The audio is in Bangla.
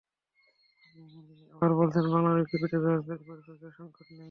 আবার বলছেন, বাংলা উইকিপিডিয়ায় ব্যবহারকারী পরীক্ষকের সংকট নেই।